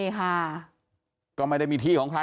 สวัสดีคุณผู้ชายสวัสดีคุณผู้ชาย